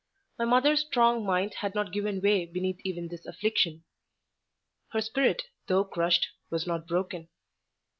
My mother's strong mind had not given way beneath even this affliction: her spirit, though crushed, was not broken.